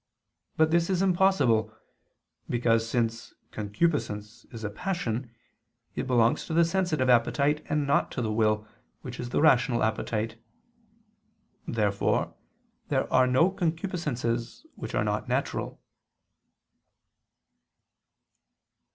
But this is impossible: because, since concupiscence is a passion, it belongs to the sensitive appetite, and not to the will, which is the rational appetite. Therefore there are no concupiscences which are not natural.